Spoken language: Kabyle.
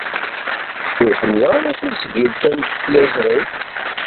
Ur ḥemmleɣ ara tasgilt-a n tliẓri.